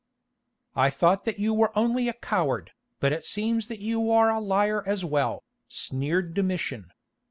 "I thought that you were only a coward, but it seems that you are a liar as well," sneered Domitian.